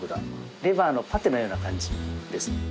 レバーのパテのような感じですね。